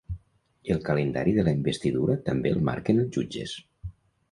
El calendari de la investidura també el marquen els jutges.